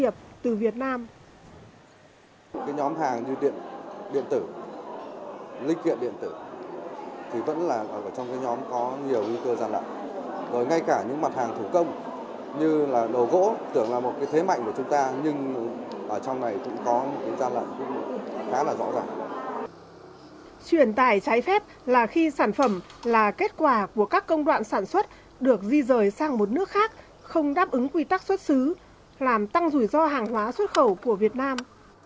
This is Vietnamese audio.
chuyển tải trái phép là khi sản phẩm là kết quả của các công đoạn sản xuất được di rời sang một nước khác không đáp ứng quy tắc xuất xứ làm tăng rủi ro hàng hóa xuất khẩu của việt nam